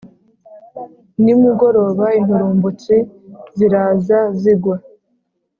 Nimugoroba inturumbutsi ziraza zigwa